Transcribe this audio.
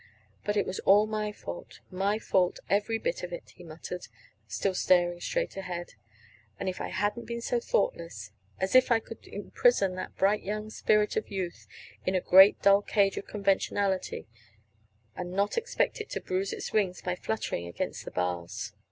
"But it was my fault, my fault, every bit of it," he muttered, still staring straight ahead. "If I hadn't been so thoughtless As if I could imprison that bright spirit of youth in a great dull cage of conventionality, and not expect it to bruise its wings by fluttering against the bars!"